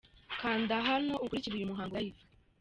Kanda hano ukurikire uyu muhango Live.